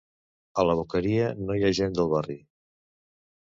A la Boqueria no hi ha gent del barri.